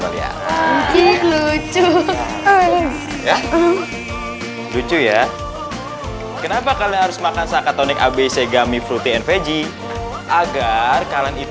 lucu ya kenapa kalian harus makan sakatonik abc gummy fruity and veggie agar kalian itu